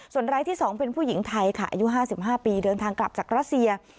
ส่วนรายที่๒เป็นผู้หญิงไทยค่ะอายุ๕๕ปีเดินทางกลับจากรัสเซีย